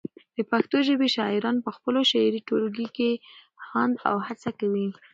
د پښتو ژبی شاعران پخپلو شعري ټولګو کي هاند او هڅه کوي